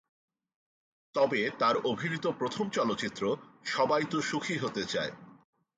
তবে, তার অভিনীত প্রথম চলচ্চিত্র "সবাই তো সুখী হতে চায়"।